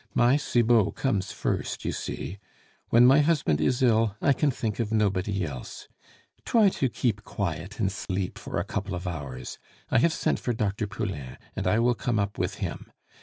My Cibot comes first, you see. When my husband is ill, I can think of nobody else. Try to keep quiet and sleep for a couple of hours; I have sent for Dr. Poulain, and I will come up with him....